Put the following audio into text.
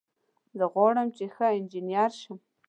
زه غواړم چې یو ښه انجینر شم